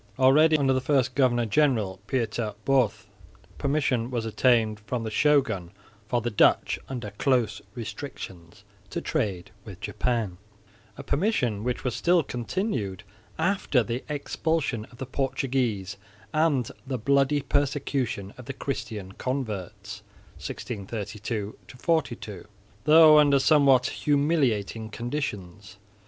Already under the first governor general, Pieter Both, permission was obtained from the Shogun for the Dutch, under close restrictions, to trade with Japan, a permission which was still continued, after the expulsion of the Portuguese and the bloody persecution of the Christian converts (1637 42), though under somewhat humiliating conditions.